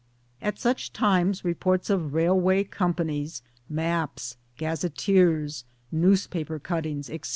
At such times reports of railway com panies, maps, gazetteers, newspaper cuttings, etc.